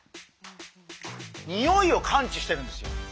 ニオイを感知してるんですよ。